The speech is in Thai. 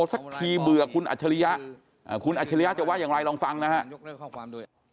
สักทีเบื่อคุณอัจฉริยะคุณอัจฉริยะจะว่าอย่างไรลองฟังนะฮะ